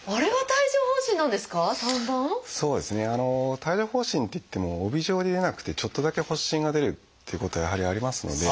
帯状疱疹っていっても帯状に出なくてちょっとだけ発疹が出るっていうことはやはりありますので。